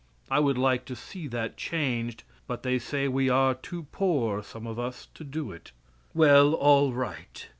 I would like to see that changed, but they say we are too poor, some of us, to do it. Well, all right.